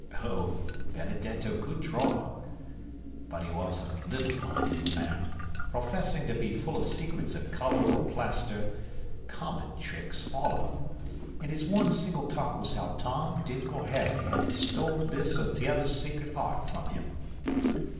Oh, Benedetto could draw, but 'a was a little minded man, professing to be full of secrets of colour or plaster common tricks, all of 'em and his one single talk was how Tom, Dick or Harry had stole this or t'other secret art from him.